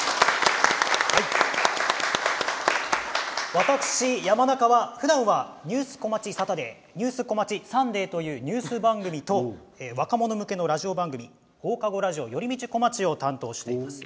私、山中は、ふだんは「ニュースこまちサタデー」「ニュースこまちサンデー」というニュース番組と若者向けのラジオ番組「放課後ラジオよりみちこまち」を担当しています。